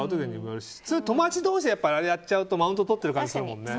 友達同士であれやっちゃうとマウントをとってる感じするもんね。